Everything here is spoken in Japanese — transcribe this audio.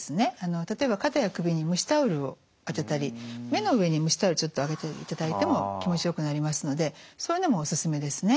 例えば肩や首に蒸しタオルを当てたり目の上に蒸しタオルちょっと当てていただいても気持ちよくなりますのでそういうのもおすすめですね。